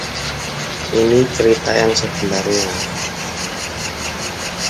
Ini cerita yang sebenarnya.